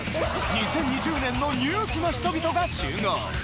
２０２０年のニュースな人々が集合。